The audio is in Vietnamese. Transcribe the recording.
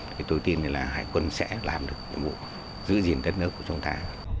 thì tôi tin là hải quân sẽ làm được nhiệm vụ giữ gìn đất nước của chúng ta